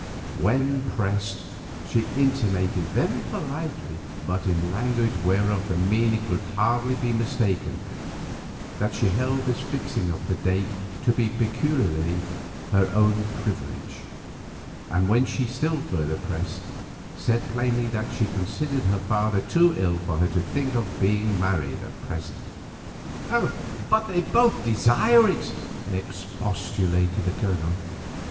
When pressed, she intimated very politely, but in language whereof the meaning could hardly be mistaken, that she held this fixing of the date to be peculiarly her own privilege; and when still further pressed said plainly that she considered her father too ill for her to think of being married at present. "But they both desire it," expostulated the Colonel.